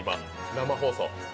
生放送。